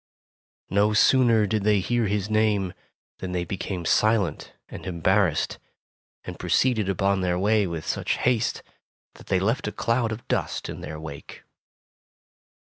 '' No sooner did they hear his name, than they became silent arid embarrassed, and proceeded upon their way with such haste that they left a cloud of dust in their wake.